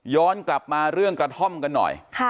กลับมาเรื่องกระท่อมกันหน่อย